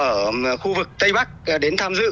ở khu vực tây bắc đến tham dự